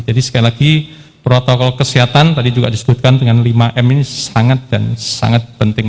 jadi sekali lagi protokol kesehatan tadi juga disebutkan dengan lima m ini sangat dan sangat penting